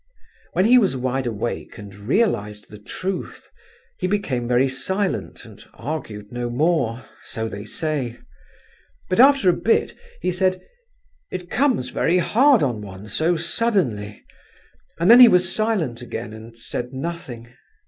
When he was wide awake and realized the truth, he became very silent and argued no more—so they say; but after a bit he said: 'It comes very hard on one so suddenly' and then he was silent again and said nothing.